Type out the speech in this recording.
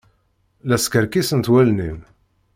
La skerkisent wallen-im.